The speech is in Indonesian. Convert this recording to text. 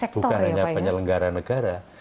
bukan hanya penyelenggara negara